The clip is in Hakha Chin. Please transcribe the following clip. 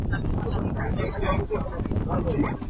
I thawh cang u sih, nikhua kan tlai sual lai.